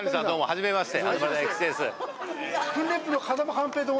はじめまして。